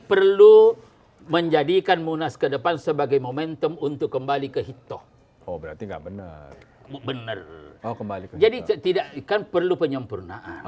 perlu menjadikan munas kedepan sebagai momentum untuk kembali ke hitoh oh berarti nggak bener bener